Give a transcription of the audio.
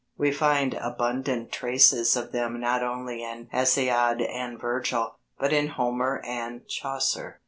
We find abundant traces of them not only in Hesiod and Virgil, but in Homer and Chaucer.